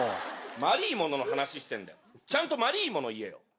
まりぃものの話してんだよちゃんとまりぃもの言えよ。